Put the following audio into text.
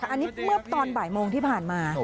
อันนี้เมื่อตอนบ่ายโมงที่ผ่านมา